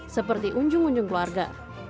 seperti unjung unjung keluarga